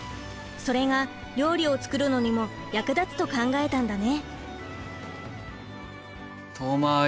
それが料理を作るのにも役立つと考えたんだね。